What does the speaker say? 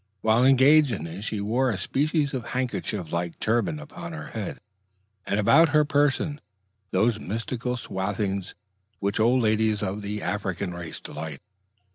While engaged in these, she wore a species of sightly handkerchief like a turban upon her head, and about her person those mystical swathings in which old ladies of the African race delight.